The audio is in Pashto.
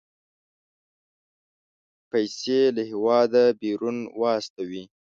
پيسې له هېواده بيرون واستوي.